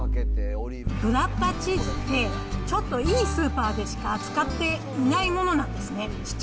ブラータチーズって、ちょっといいスーパーでしか扱っていないものなんですね。